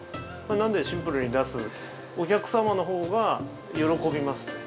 シンプルに出すお客様のほうが喜びますね。